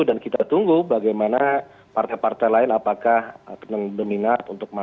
dan kita tunggu bagaimana partai partai lain apakah akan berminat untuk masuk